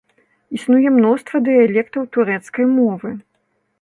Існуе мноства дыялектаў турэцкай мовы.